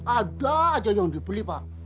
ada aja yang dibeli pak